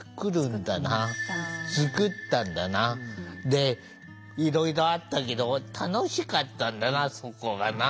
でいろいろあったけど楽しかったんだなそこがな。